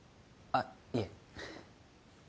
あっいえ